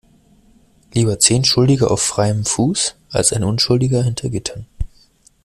Lieber zehn Schuldige auf freiem Fuß als ein Unschuldiger hinter Gittern.